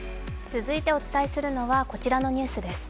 続いてお伝えするのはこちらのニュースです。